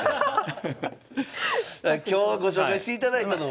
今日ご紹介していただいたのは。